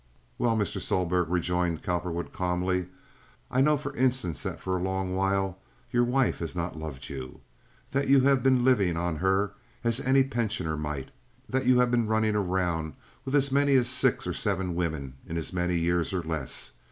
"Well, Mr. Sohlberg," rejoined Cowperwood, calmly, "I know, for instance, that for a long while your wife has not loved you, that you have been living on her as any pensioner might, that you have been running around with as many as six or seven women in as many years or less.